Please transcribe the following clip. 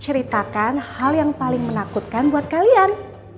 ceritakan hal yang paling menakutkan buat kalian